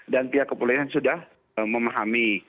dan pihak kepulihannya sudah memahami